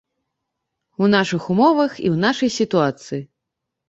У нашых умовах і ў нашай сітуацыі.